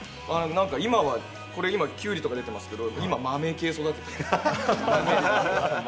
今これ、きゅうりとか出てますけど、今は豆系を育てています。